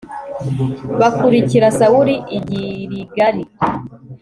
bakurikira sawuli i giligali